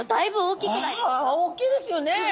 大きいですよね。